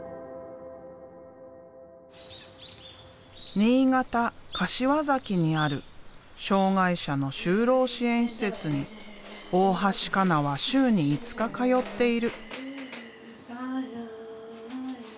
新潟・柏崎にある障害者の就労支援施設に大橋加奈は週に５日通っている。